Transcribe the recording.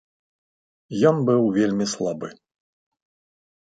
Ён быў вельмі слабы.